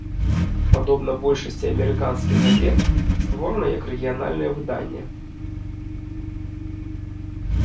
Падобна большасці амерыканскіх газет, створана як рэгіянальнае выданне.